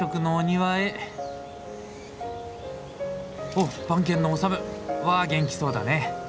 おっ番犬のオサムは元気そうだね。